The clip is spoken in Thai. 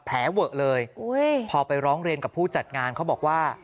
แผลเวิกเลยอุ้ยพอไปร้องเรนกับผู้จัดงานเขาบอกว่า